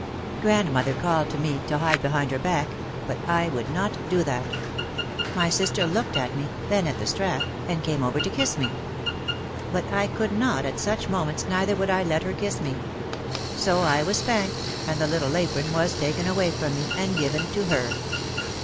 Grandmother called to me to hide behind her back, but I would not do that. My sister looked at me, then at the strap, and came over to kiss me. But I could not at such moments, neither would I let her kiss me. So I was spanked and the little apron was taken away from me and given to her.